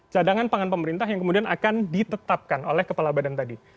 cadangan pangan pemerintah yang kemudian akan ditetapkan oleh kepala badan tadi